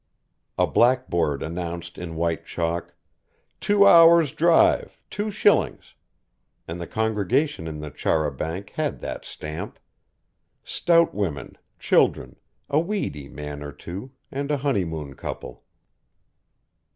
A blackboard announced in white chalk: "Two hours drive two shillings," and the congregation in the char a banc had that stamp. Stout women, children, a weedy man or two, and a honeymoon couple.